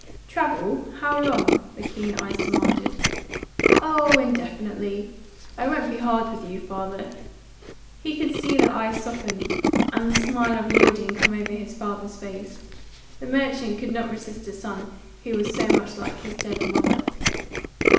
"Travel? How long?" the keen eyes demanded. "Oh, indefinitely. I won't be hard with you, father." He could see the eyes soften, and the smile of yielding come over his father's face; the merchant could not resist a son who was so much like his dead mother.